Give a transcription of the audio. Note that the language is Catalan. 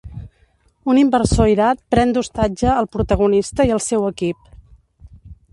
Un inversor irat pren d’hostatge el protagonista i el seu equip.